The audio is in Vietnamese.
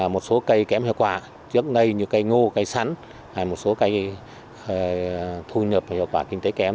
một số cây kém hiệu quả trước nay như cây ngô cây sắn hay một số cây thu nhập và hiệu quả kinh tế kém